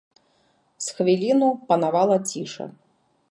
З хвіліну панавала ціша.